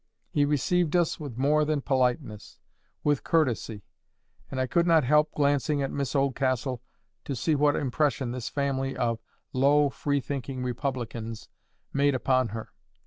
He received us with more than politeness—with courtesy; and I could not help glancing at Miss Oldcastle to see what impression this family of "low, free thinking republicans" made upon her.